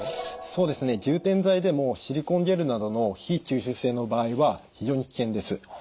そうですね充填剤でもシリコンゲルなどの非吸収性の場合は非常に危険です。